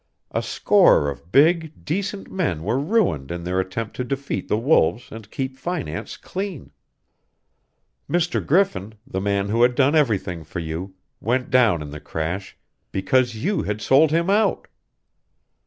A score of big, decent men were ruined in their attempt to defeat the wolves and keep finance clean. "Mr. Griffin, the man who had done everything for you, went down in the crash because you had sold him out!